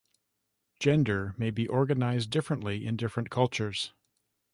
Gender may be organized differently in different cultures.